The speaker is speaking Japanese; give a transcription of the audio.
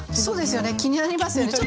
そうですよね気になりますよね。